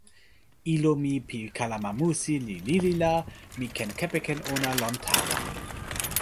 ilo mi pi kalama musi li lili la mi ken kepeken ona lon tawa.